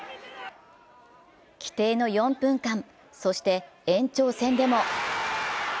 規定の４分間、そして延長戦でも。